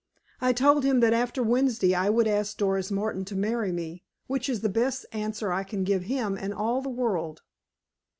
"I told him that, after Wednesday, I would ask Doris Martin to marry me, which is the best answer I can give him and all the world."